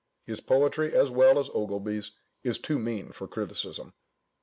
His poetry, as well as Ogilby's, is too mean for criticism.